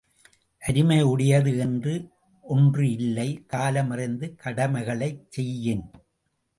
அருமையுடையது என்று ஒன்று இல்லை காலமறிந்து கடமைகளைச் செய்யின்!